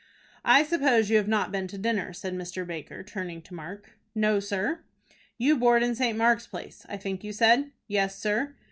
"I suppose you have not been to dinner," said Mr. Baker, turning to Mark. "No, sir." "You board in St. Mark's Place, I think you said?" "Yes, sir."